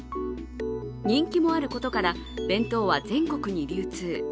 人気もあることから弁当は全国に流通。